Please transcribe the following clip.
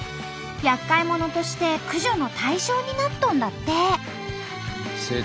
やっかい者として駆除の対象になっとんだって！